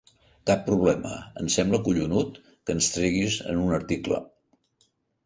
Cap problema, em sembla collonut que ens treguis en un article!